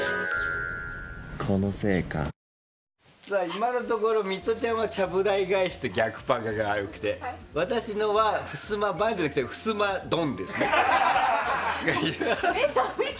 今のところミトちゃんはちゃぶ台返しと逆パカがよくて私のは、ふすまバンじゃなくてふすまドンがいい。